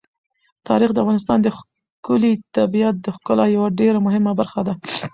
تاریخ د افغانستان د ښکلي طبیعت د ښکلا یوه ډېره مهمه برخه ده.